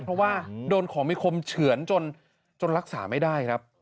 เพราะว่าโดนของมีคมเฉือนจนรักษาไม่ได้ครับ